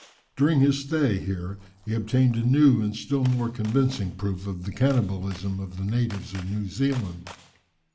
During his stay here he obtained a new and still more convincing proof of the cannibalism of the natives of New Zealand.